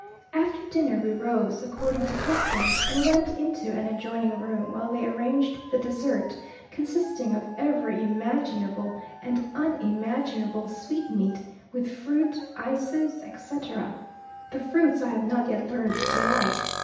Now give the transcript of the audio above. After dinner we rose, according to custom, and went into an adjoining room while they arranged the dessert, consisting of every imaginable and unimaginable sweetmeat, with fruit, ices, etc. The fruits I have not yet learned to like.